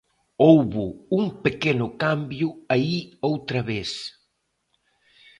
Houbo un pequeno cambio aí outra vez.